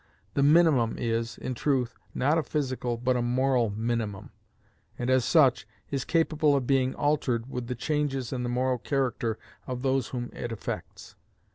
The minimum is, in truth, not a physical but a moral minimum, and as such, is capable of being altered with the changes in the moral character of those whom it affects.